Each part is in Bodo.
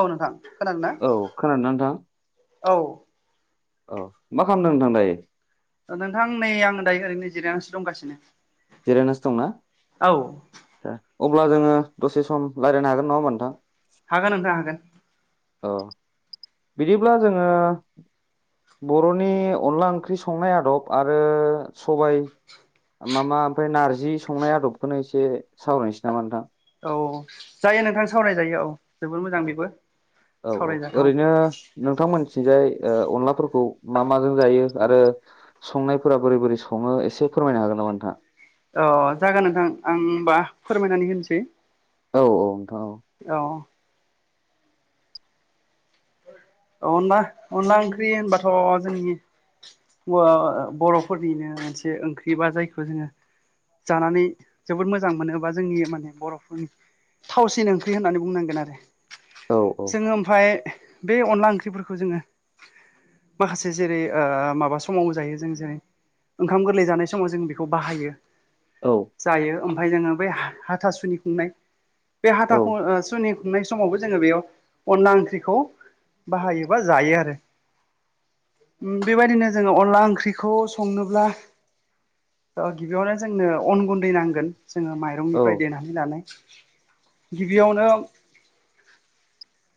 औ नोंथां खोनादों ना खोनादोंना औ। अह मा खालामदों नोंथां दायो? नोंथां नै आं दायो ओरैनो जिरायनानैसो दंगासिनो। जिरायनासो दंना औ अब्ला जोङो दसे सम रायलायनो हागोन नङा होमबा नोंथां? हागोन नोंथां हागोन। अह। बिदिब्ला जोङो बर'नि अनला ओंख्रि संनाय आदब आरो सबाय मा मा ओमफ्राय नारजि संनाय आदबखौनो एसे सावरायनोसै नामा नोंथां? औ जायो नोंथां सावरायजायो औ जोबोर मोजां बेबो औ सावरायजाथाव। ओरैनो नोंथांमोनथिंजाय अनलाफोरखौ मा माजों जायो आरो संनायफोरा बोरै बोरै सङो एसे फोरमायनो हागोन नामा नोंथां? अह जागोन नोंथां आं होमबा फोरमायनानै होनोसै। औ औ नोंथां औ। अह। अनला अनला ओंख्रि होनबाथ' जोंनि बर'फोरनिनो मोनसे ओंख्रि बा जायखौ जोङो जानानै जोबोद मोजां मोनो बा जोंनि माने बर'फोरनि थावसिन ओंख्रि होननानै बुंनांगोन आरो औ जोङो ओमफाय बे अनला ओंख्रिफोरखौ जोङो माखासे जेरै माबा समाव जायो जों जेरै ओंखाम गोरलै जानाय समाव जों बेखौ बाहायो। औ। जायो। ओमफाय जोङो बै हाथा सुनि खुंनाय। बे औ हाथाखौ ओ सुनि खुंनाय समावबो जोङो बेयाव अनला ओंख्रिखौ बाहायो बा जायो आरो। बेबादिनो जोङो अनला ओंख्रिखौ संनोब्ला अह गिबियावनो जोंनो अन गुन्दै नांगोन जोङो औ माइरंनिफ्राय देनानै नानै गिबियावनो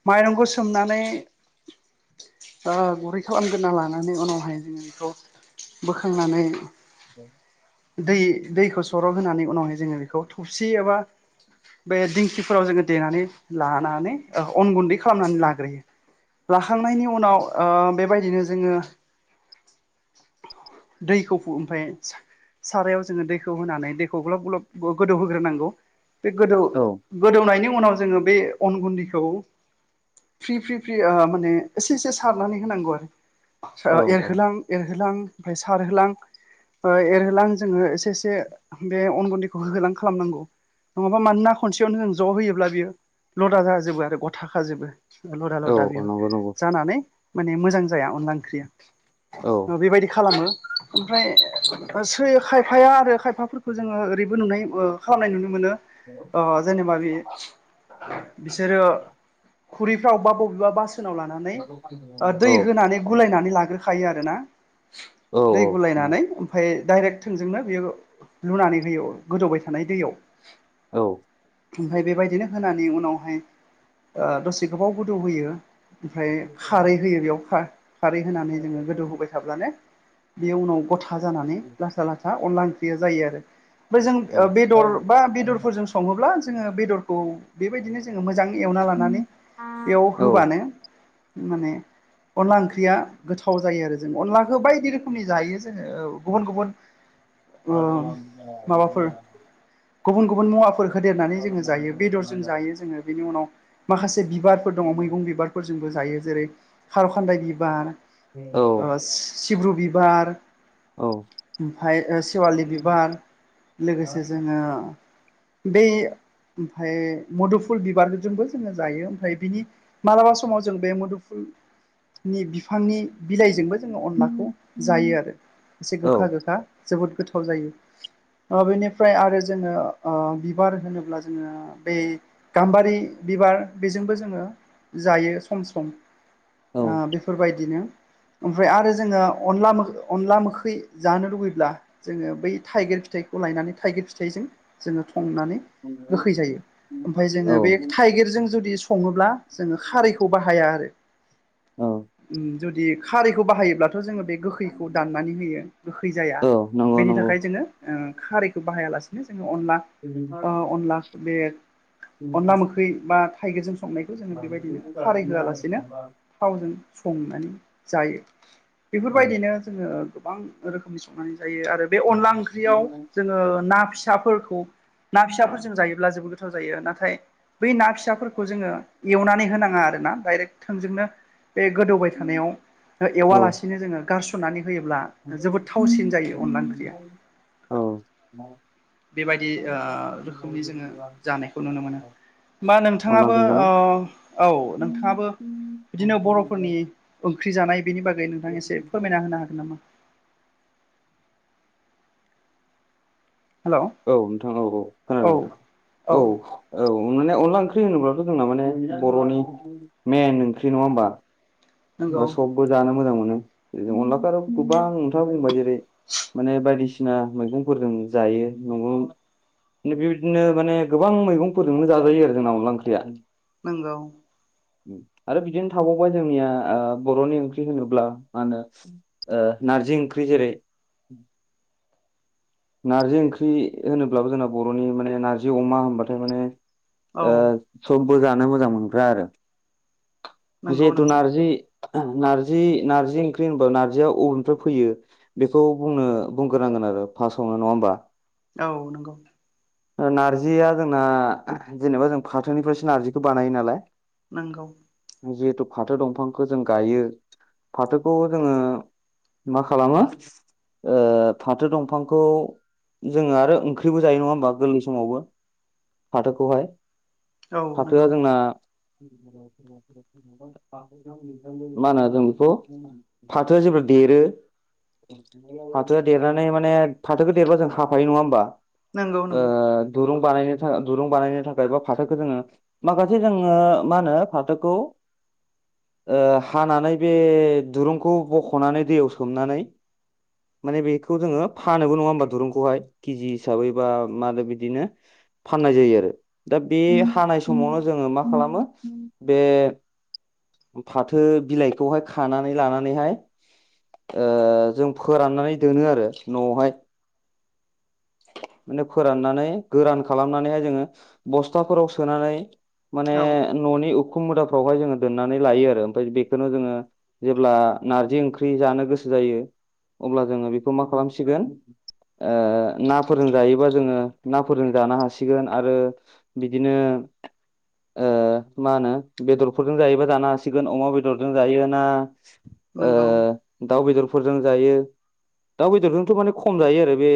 माइरंखौ सोमनानै गुरै खालामग्रोना लानानै उनावहाय जोङो बेखौ बोखांनानै औ दै दैखौ सर' होनानै उनावहाय जोङो बेखौ थबसि एबा बे दिंखिफोराव जोङो देनानै लानानै अन गुन्दै खालामनानै लाग्रोयो। लाखांनायनि उनाव बेबायदिनो जोङो दैखौ ओमफाय सारायाव जोङो दैखौ होनानै दैखौ ग्लाब ग्लाब गोदौ होग्रोनांगौ। बे गोदौ औ गोदौनायनि उनाव जोङो बे अन गुन्दैखौ फ्रि फ्रि फ्रि माने एसे एसे सारनानै होनांगौ औ आरो एरहोलां एरहोलां ओमफाय सारहोलां एरहोलां जोङो एसे एसे बे अन गुन्दैखौ होहोलां खालामनांगौ। नङाबा मानोना खनसेयावनो जों ज' होयोब्ला बियो लदा जाजोबो आरो गथाखाजोबो। लदा औ दा औ बियो नंगौ नंगौ जानानै माने मोजां जाया अनला ओंख्रिया। औ बेबायदि खालामो। ओमफ्राय सै खायफाया आरो खायफाफोरखौ जोङो ओरैबो नुनाय खालामनाय नुनो मोनो। ह ओ जेनेबा बि बिसोरो खुरिफ्राव बा बबेबा बासोनाव लाना औ औ औ दै होनानै गुलायनानै लाग्रोखायो आरोना। दै औ गुलायनानै ओमफफ्राय डाइरेक्ट थोंजोंनो बेयो लुनानै होयो गोदौबाय थानाय दैयाव। औ ओमफफ्राय बेबायदिनो होनानै उनावहाय दसे गोबाव गोदौ होयो ओमफ्राय खारै होयो बेयाव खारै होनानै जोङो गोदौ होबाय थाब्लानो बे उनाव गथा जानानै लाथा लाथा अनला ओंख्रिया जायो आरो बेओफ्राय जों बेदर बा बेदरफोरजों सङोब्ला जोङो बेदरखौ बेबायदिनो जोङो मोजां एवना लानानै बेयाव होबानो माने अनला ओंख्रिया गोथाव जायो आरो जों अनलाखौ बायदि रोखोमनि जायो जोङो गुबुन गुबुन [inaudible] आ म माबाफोर गुबुन गुबुन मुवाफोर होदेरनानै जोङो जायो बेदरजों जायो जोङो बेनि उनाव माखासे बिबारफोर दङ मैगं बिबारफोरजोंबो जायो जेरै खार' खान्दाय बिबार नंगौ सिब्र' बिबार ओमफफ्राय सेवालि बिबार लोगोसे जोङो ब ओमफफ्राय मदुफुल बिबारजोंबो जोङो जायो ओमफ्राय बिनि मालाबा समाव जों बे मुदुफुलनि बिफांनि बिलाइजोंबो जोङो अनलाखौ जायो आरो एसे गोखा गोखा जोबोद गोथाव जायो बेनिफ्राय आरो जोङो बिबार होनोब्ला जोङो बै गाम्बारि बिबार बेजोंबो जोङो जायो सम सम बेफोरबायदिनो ओमफ्राय आरो जोङो अनला अनला मोखै जानो लुुबैब्ला जोङो बै थाइगिर फिथाइखौ लायनानै थाइगिर फिथाइजों जोङो संनानै गोखै जायो ओमफ्रायाय औ जोङो बे थाइगिरजों जुदि सङोब्ला जोङो खारैखौ बाहाया आरो औ जुदि खारैखौ बाहायोब्ला थ' जोङो बे गोखैखौ अनला दाननानै होयो गोखै जाया ओंख्रिखौ बेनि थाखाय जोङो खारैखौ बाहायालासिनो जोङो अनला अनला बे अनला मोख्रै बा थाइगिरजों संनाय जोङो बेबायदिनो खारै होआलासिनो थावजों संनानै जायो बेफोरबायदिनो जोो गोबां रोखोमनि संनानै जायो आरो बे अनला ओंख्रियाव जोङो ना फिसाफोरखौ खौ ना फिसाफोरजों जायोब्ला जेबो गोथाव जायो नाथाय बै ना फिसाफोरखौ जोङो एवनानै होनाङा आरो ना दडाइरेक्ट थोंजोंनो बे गोदौबाय थानायाव एवालासिनो जोङो गारस'नानै होयोब्ला जोबोद थावसिन जायो अनला ओंख्रिया बेबायदि रोखोमनि जोङो जानायखौ नुनो मोनो होमा नोंथाङाबो ना औ नोंथां औ नोंथाङाबो बिदिनो बर'फोरनि ओंख्रि जानाय बेनि बागै नोंथांा एसे फोरमायना होनो हागोन नामा हेलौ औ नोंथां औ औ औ खोनादों नोंथां औ औ माने अनला ओंख्रि होनोब्लाथ' जोंना माने बर'नि मेन ओंख्रि नङा होमबा बा नंगौ सबबो जानो मोजां मोनो जनो अनलाखौ आरो' गोबां अनथाबो जेनबाय जेरै माने बायदिसिना मैगंफोरजों जायो बेबायदिनो माने गोबां मैगंफोरजोंनो जाजायो आरो जोंना अनला ओंख्रिया नोंगौ आरो बिदिनो थाबावबाय जोंनिया बर'नि ओंख्रि होनोब्ला मा होनो नारजि ओंख्रि जेरै नार्जि ओंख्रि होनोब्लाबो जोंना बर'नि माने नार्जि अमा होनबथाय माने औ समबो जानो मोजां मोनग्रा आरो नंगौ जिहेथु नंगौ नारजि नारजि नारजि ओंख्रि होनबा नार्जिया अबेनिफ्राय फैयो बेखौ बुंनो बुंग्रोनांगोन आरो फार्टआवनो नङा होमबा औ नंगौ नार्जिया जोंना जेनेबा जों फाथोनिफ्रायसो नारजिखौ बानायो नालाय नंगौ जिहेथु फाथो दंफांखौ जों गायो फाथोखौ जोङो मा खालामो फाथो दंफांखौ जोङो आरो ओंख्रिबो जायो नङा होमबा गोरलनि समावबो फाथोखौहाय औ फाथोआ नंगौ जोंना [inaudible] मा होनो जों बेखौ फाथोआ जे देरो फाथोआ देरनानै माने फाथोखौ देरबा जों हाफायो नङा होमबा नंगौ नंगौ ओ दुरुं बानायनो दुरुं बानायनो थाखाय बा फाथोखौ जोङो माखासे जोङो मा होनो फाथोखौ हानानै बे दुरुंखौ बख'नानै दैयाव सोमनानै माने बेखौ जोङो फानोबो नङा होमबा दुरुंखौहाय केजि हिसाबै बा मादो बिदिनो फाननाय जायो आरो दा बे हानाय समावनो जोङो मा खालामो बे फाथो बिलाइखौहाय खानानै लानानैहाय जों फोराननानै दोनो आरो न'आवहाय माने फोराननानै गोरान खालामनानैहाय जोङो बस्थाफोराव सोनानै माने औ न'नि उखुम मुदाफ्रावहाय जोङो दोननानै लायो आरो ओमफ्राय बेखौनो जोङो जेब्ला नारजि ओंख्रि जानो गोसो जायो अब्ला जोङो बेखौ मा खालामसिगोन आ नाफोरजों जायोबा जोङो नाफोरजों जानो हासिगोन आरो बिदिनो मा होनो बेदरफोरजों जायोबा जानो हासिगोन अमा बेदरजों जायो ना नंगौ [inaudible] दाउ बेदरफोरजों जायो दाउ बेदरजोंथ' माने खम जायो आरो बे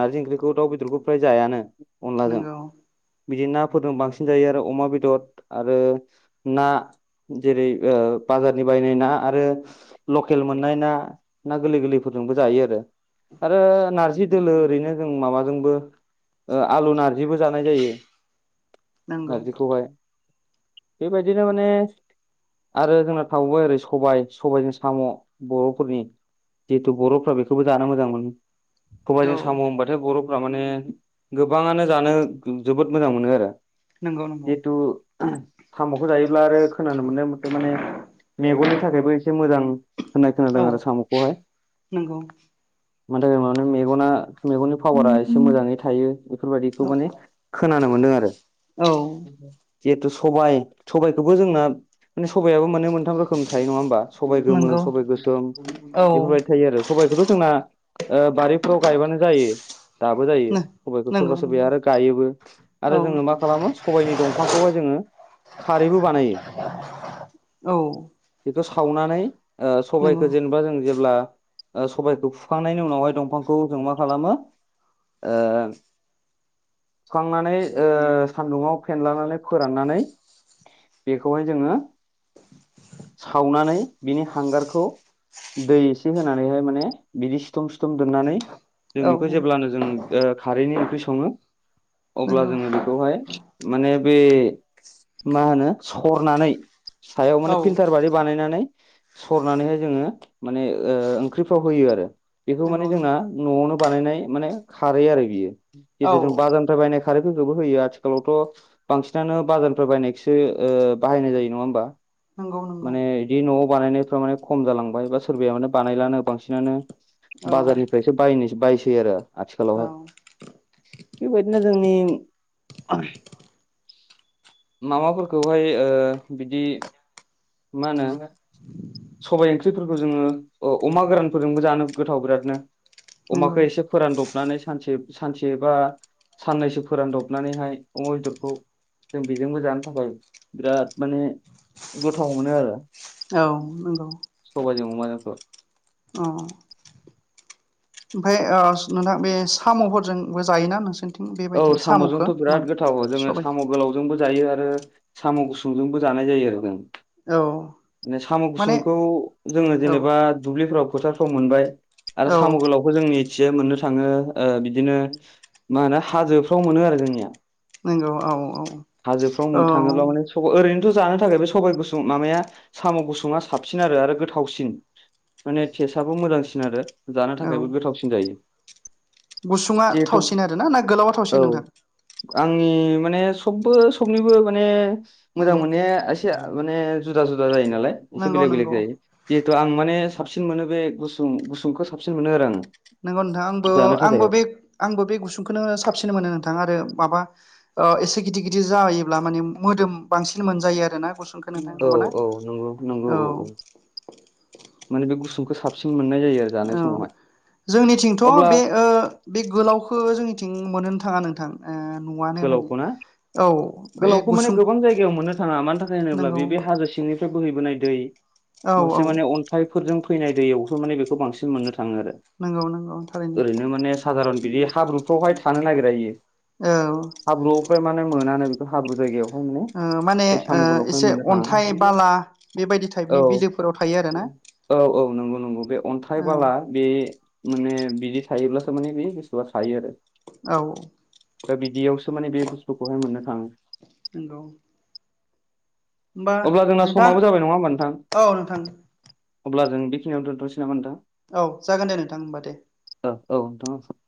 नारजि ओंख्रिखौ दाउ बेदरखौ फ्राय जायानो अनलाजों नंगौ बिदि नाफोरजों बांसिन जायो आरो अमा बेदर आरो ना जेरै बाजारनि बायनाय ना आरो लकेल मोननाय ना ना गोरलै गोरलै ज दोलो ओरैनो जों माबाजोंबो आलु नारजिबो जानाय जायो नंगौ नारजखौहाय बेबायदिनो माने आरो जोंना थावबाय ओरै सबाय सबायजों साम' बर'फोरनि जिहेथु बर'फ्रा बेखौबो जानो मोजां मोनोबों औ बुंबाथाय बर'फ्रा माने गोबाङानो जानो जोबोद मोजां मोनो आरो नंगौ नंगौ जिहेथु साम'खौ जायोब्ला आरो खोनानो मोननाय मथे माने मेगननि थाखायबो एसे मोजां होननाय खोनादों औ आरो साम'खौहाय नंगौ मानि थाखाय मे मेगना मेगननि पावारा एसे मोजाङै थायो बेफोरबायदिखौ औ माने खोनानो मोनदों आरो जिहेतु सबायाइ सबाइखौबो जोंना माने सबायाबो मोनोमोन गोाथाम रोखोम थायो नङा होमबा सबबाय गोमो नंगौ सबबाय गोसोम औ बेफोरबायदि थायो आरो सबायखौथ' जोंना बारिफ्राव गायबानो जायो दाबो जायो सबाइखौ नंगौ सोरबा सोरबाया नंगौ आरो गायोबो आरो औ जोङो मा खालामो सबायनि दंफांखौहाय जोङो खारैबो बानायो औ बेखौ सावनानै नंगौ सबायखौ जेनेबा जों जेब्ला सबबायखौ फुखांनायनि उनावहाय दंफांखौ जों मा खालामो थुखांनानै सान्दुंङाव फेनलानानै फोराननानै बेखौहाय जोङो सावनानै बिनि हांगारखौ दै एसे होनानैहाय माने बिदि सिथम सिथम दोननानै जों बेखौ औ जेब्लानो जों ओ खारैनि ओंख्रि सङो अब्ला नंगौ जोङो बेखौहाय माने बे मा होनो सरनानै, सायाव औ माने फिल्टार बादि बानायनानै सरनानैहाय जोङो माने ओ ओंख्रिफ्राव होयो आरो। बेखौ माने नंगौ जोंना न'आवनो बानायनाय माने खारै आरो बियो औ जितु जों बाजार फफ्राय बायनाय खारैटखौ जोबोर होयो आथिखालावथ' बांसिनानो बाजारफ्राय बायनायखौसो ओ बाहायनाय जायो नङा होनबा नंगौ नंगौ माने बिदि न'आव बानायनायफ्रा माने खम जालांबाय बा सोरबाया माने बानायलानो बांसिनानो, औ बाजारनि फ्रायसो बायनो बायसै आरो औ आथिखालावहाय। बेबायदिनो जोंनि माबाफोरखौहाय ओ बिदि मा होनो सबाइ ओंख्रिफोरखौ जोङो अमा गोरानफोरजोंबो जानो गोथाव बिरादनो। नंगौ अमाखौ एसे फोरानदबनानै सानसे सानसे बा साननैसो फोरानदबनानैहाय अमा बेदरखौ जों बेजोंबो जानो थाखाय बिराद माने गोथाव मोनो आरो उम नंगौ। सबाइजों अमाजोंखौ। अह! ओमफ्राय ओ नोंथां बे साम'फोरजोंबो जायोना नोंसोर? औ साम'जोंथ' बिराद गोथाव, जोङो सबाय साम' गोलाव जोंबो जायो आरो साम' गुसुंजोंबो जानाय जायो आरो औ जों। साम' माने गुसुंखौ जोङो औ जेनेबा दुब्लिफ्राव फोथारफ्राव मोनबाय आरो औ साम' गोलावखौ जोंनिखिजाय मोननो थाङो बिदिनो मा होनो हाजोफ्राव मोनो आरो जोंनिया। नंगौ औ औ। हाजोफ्राव औ मोन थाङोब्ला माने ओरैनोथ' जानो थाखाय बे सबाय गुसुं माबाया साम' गुसुङा साबसिन आरो, आरो गोथावसिन। माने टेस्टआबो मोजांसिन आरो जानो औ थाखायबो गोथावसिन जायो। गुसुङा जिहेथु थावसिन आरो ना, ना गोलावा? औ थावसिन नोंथां आंनि माने सबबो सबनिबो माने मोजां नंगौ मोननाया एसे माने जुदा जुदा जायो नालाय। एसे नंगौ बेलेग बेलेग नंगौ जायो जिहेथु आं माने साबसिन मोनो बे गुसुं गुसुंखौ साबसिन मोनो आरो आङो। नंगौ नोंथां आंबो जानो थाखाय आंबो बे आंबो बे गुसुंखौनो साबसिन मोनो नोंथां आरो माबा ओ एसे गिदिर गिदिर जायोब्ला माने मोदोम बांसिन मोनजायो आरो ना गु औ औ नंगौ नंगौ औ औ माने बे गुसुंखौ साबसिन मोननाय जायो। आरो जानाय औ समावहाय जोंनिथिंथ' अब्ला बे ओ बे गोलावखौ जोंनिथिं मोन्नोनो थाङा नोंथां नुआनो माने। गोलावखौ ना औ। बे गोलावखौ माने गुसुं गोबां जायगायाव मोननो थाङा मानो थाखाय होनोब्ला नंगौ बे बे हाजो सिंनिफ्राय बोहैबोनाय दै औ औ। माखासे माने अन्थाइफोरजों फैनाय दैयावसो माने बेखौ बांसिन मोननो थाङो आरो। नंगौ नंगौ थारैनो ओरैनो माने साधारन बिदि हाब्रुफ्रावहाय थानो नागिरा इयो। औ। हाब्रुआव फ्राय माने मोनानो बेखौ हाब्रु जायगायाव ओ माने माने बे ओ साम' गोलावखौनो एसे मोननो अन्थाइ थाङा बाला बेबायदि टाइपनि औ। बिलोफोराव थायो आरोना औ औ नंगौ नंगौ बे अन्थाइ औ बाला बे माने बिदि थायोब्लासो माने बे बुस्थुआ थायो आरो। औ। दा बिदियावसो माने बे बुस्थुखौहाय मोननो थाङो। नंगौ। होमबा अब्ला जोंना नोंथां समाबो जाबाय नङा होमबा नोंथां? औ नोंथां अब्ला जों बेखिनियाव दोनथ'नोसै नामा नोंथां? औ जागोन दे नोंथां होमबा दे। ओ औ नोंथां [unintelligible]